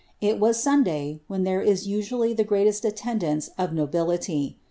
It was Sunday, when there is usually the greatest attendance of nobility.